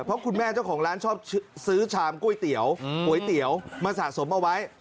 เพราะคุณแม่เจ้าของร้านชอบซื้อชามก๋วยเตี๋ยวก๋วยเตี๋ยวมาสะสมเอาไว้